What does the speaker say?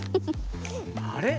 あれ？